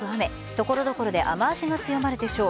所々で雨脚が強まるでしょう。